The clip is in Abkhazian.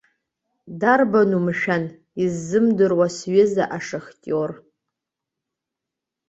Дарбану мшәан исзымдыруа сҩыза ашахтиор?